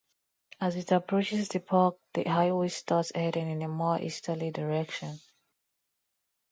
As it approaches the park, the highway starts heading in a more easterly direction.